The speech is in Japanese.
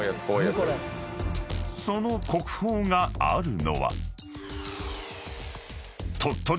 ［その国宝があるのは］